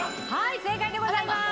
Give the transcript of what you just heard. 正解でございます。